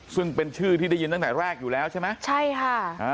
ซึ่งเป็นชื่อที่ได้ยินตั้งแต่แรกอยู่แล้วใช่ไหมใช่ค่ะอ่า